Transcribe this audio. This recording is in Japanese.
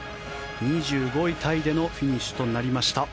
２５位タイでのフィニッシュとなりました。